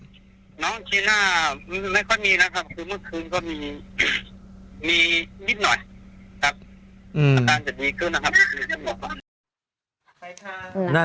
คือเมื่อคืนก็มีมีนิดหน่อยครับอืมอาจารย์จะดีกว่านะครับ